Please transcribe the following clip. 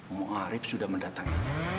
ma'arif sudah mendatanginya